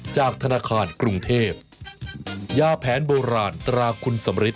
จากธนาคารกรุงเทพยาแผนโบราณตราคุณสำริท